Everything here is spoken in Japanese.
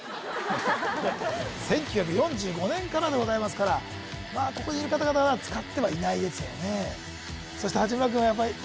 １９４５年からでございますからまあここにいる方々は使ってはいないですよね